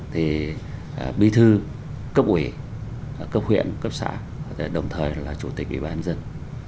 thì bí thư cấp ủy cấp huyện cấp xã đồng thời là chủ tịch ủy ban dân